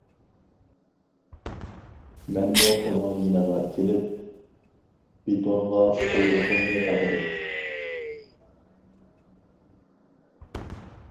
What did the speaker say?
مەنمۇ ئۇنىڭ يېنىغا كېلىپ، بېتونغا قۇيرۇقۇمنى تاقىدىم.